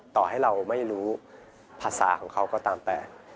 ต่อให้เราไม่รู้ภาษาของเขาก็ตามแต่